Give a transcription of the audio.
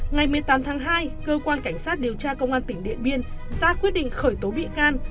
ngày một mươi tám tháng hai cơ quan cảnh sát điều tra công an tỉnh điện biên ra quyết định khởi tố bị can